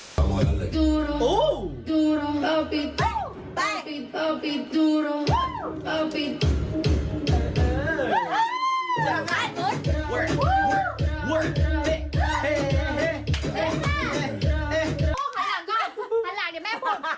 ขนหลังขนหลังเดี๋ยวแม่ผูกมันต้องผูกด้วยนะคะ